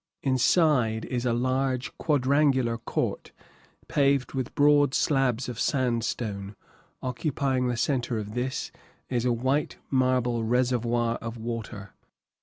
Inside is a large quadrangular court, paved with broad slabs of sandstone; occupying the centre of this is a white marble reservoir of water.